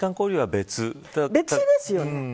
別ですよ。